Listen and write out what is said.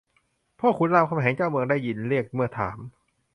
พ่อขุนรามคำแหงเจ้าเมืองได้ยินเรียกเมื่อถาม